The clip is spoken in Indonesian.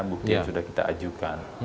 bukti yang sudah kita ajukan